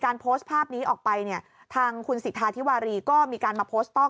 โพสต์ภาพนี้ออกไปเนี่ยทางคุณสิทธาธิวารีก็มีการมาโพสต์ต้อง